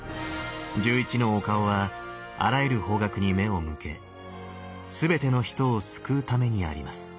１１のお顔はあらゆる方角に目を向け全ての人を救うためにあります。